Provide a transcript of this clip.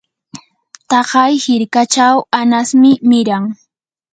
taqay hirkachaw añasmi miran.